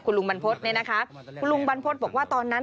คุณลุงบรรพฤษบอกว่าตอนนั้น